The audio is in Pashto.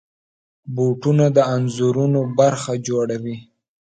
بوټونه د انځورونو برخه جوړوي.